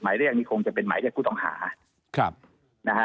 เรียกนี่คงจะเป็นหมายเรียกผู้ต้องหาครับนะฮะ